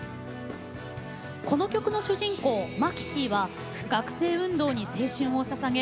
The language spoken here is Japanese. この曲の主人公「マキシー」は学生運動に青春をささげ